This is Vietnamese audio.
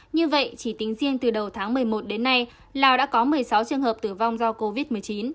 như vậy chỉ tính riêng từ đầu tháng một mươi một đến nay lào đã có một mươi sáu trường hợp tử vong do covid một mươi chín